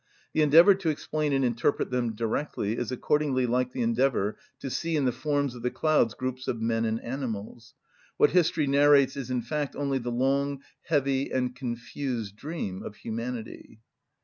The endeavour to explain and interpret them directly is accordingly like the endeavour to see in the forms of the clouds groups of men and animals. What history narrates is in fact only the long, heavy, and confused dream of humanity.